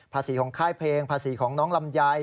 ของค่ายเพลงภาษีของน้องลำไย